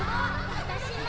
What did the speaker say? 私も！